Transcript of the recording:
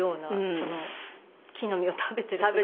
その木の実を食べてる姿を。